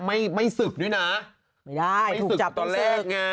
ไม่ได้ถูกจับต้องสึก